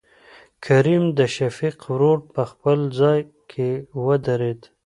کريم دشفيق ورور په خپل ځاى کې ودرېد.